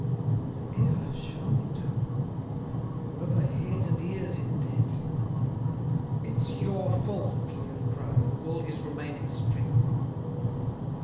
Whatever shall we do! We are over head and ears in debt." "It's your fault!" Pierre cried, with all his remaining strength.